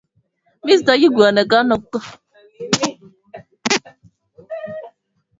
Wakati hakuna ushahidi wa kuaminika wa tishio la usalama ambalo linaweza kuvuruga operesheni za usafirishaji.